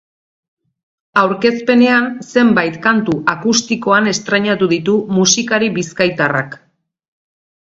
Aurkezpenean zenbait kantu akustikoan estreinatu ditu musikari bizkaitarrak.